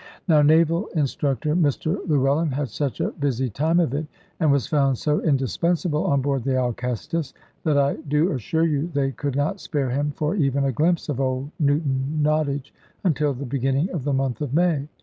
Now Naval Instructor Mr Llewellyn had such a busy time of it, and was found so indispensable on board the Alcestis, that I do assure you they could not spare him for even a glimpse of old Newton Nottage, until the beginning of the month of May.